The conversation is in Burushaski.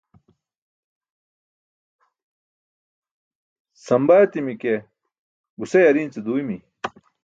samba etimi ke guse ariin ce duuymi